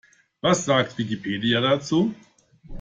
Was sagt Wikipedia dazu?